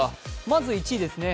まず１位ですね。